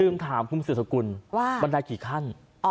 ลืมถามคุณพุทธศกุลบันไดกี่ขั้น